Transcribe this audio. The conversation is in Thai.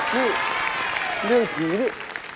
พี่เรื่องผีนี่